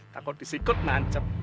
takut disikut manjem